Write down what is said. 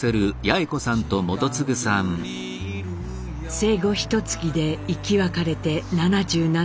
生後ひとつきで生き別れて７７年。